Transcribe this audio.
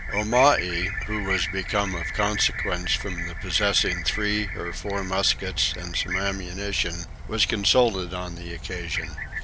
Omai, who was become of consequence from the possessing three or four muskets and some ammunition, was consulted on the occasion.